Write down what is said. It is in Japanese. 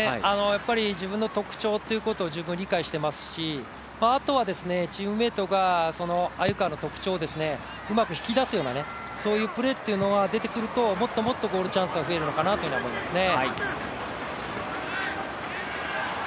自分の特徴ということを自分で理解していますし、あとはチームメートが鮎川の特長をうまく引き出すようなそういうプレーというのは出てくるともっともっとゴールチャンス増えるのかなと思いますね。